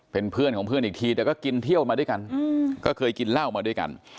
เป็นเพื่อนของเพื่อนอีกทีแต่ก็กินเที่ยวมาด้วยกันก็เคยกินเหล้ามาด้วยกัน